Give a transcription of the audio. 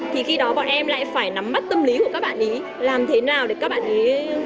thì khi đó bọn em lại phải nắm mắt tâm lý của các bạn ý làm thế nào để các bạn ý